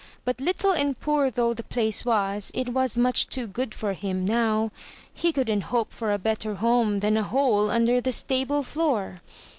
But little and poor though the place was, it was much too good for him now. He couldn't hope for a better home than a hole under the stable floor.